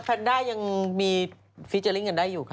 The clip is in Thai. แนนด้ายังมีฟีเจอร์ลิ่งกันได้อยู่ค่ะ